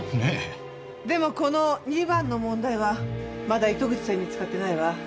でもこの２番の問題はまだ糸口さえ見つかってないわ。